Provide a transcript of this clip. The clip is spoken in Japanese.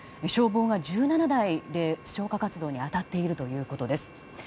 消防が１７台で消火活動に当たっているということです。